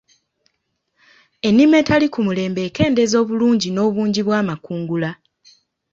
Ennima etali ku mulembe ekendeeza obulungi n'obungi bw'amakungula.